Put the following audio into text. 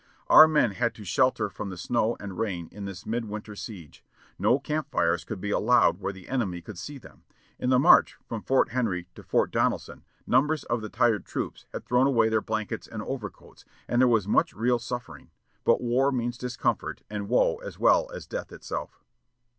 Our men had no shelter from the snow and rain in this midwinter siege. No campfires could be allowed where the enemy could see them. In the march from Fort Henry to Fort Donelson numbers of the tired troops had thrown away their blankets and overcoats, and there was much real suffering. But war means discomfort and woe as well as death itself.